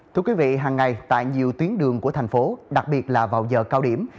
thưa quý vị hàng ngày tại nhiều tuyến đường của thành phố đặc biệt là vào giờ cao điểm